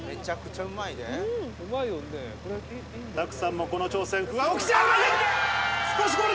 拓さんもこの挑戦、不安を口に。